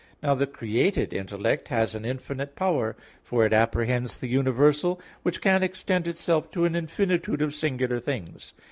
Now the created intellect has an infinite power; for it apprehends the universal, which can extend itself to an infinitude of singular things.